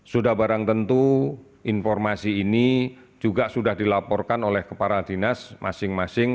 sudah barang tentu informasi ini juga sudah dilaporkan oleh kepala dinas masing masing